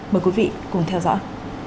mời quý vị cùng theo dõi